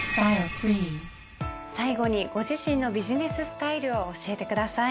最後にご自身のビジネススタイルを教えてください。